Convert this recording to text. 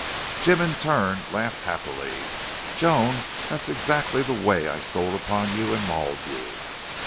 Jim in turn laughed happily. "Joan, that's exactly the way I stole upon you and mauled you!".